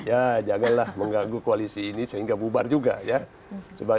ya jagalah mengganggu koalisi ini sehingga bubar juga ya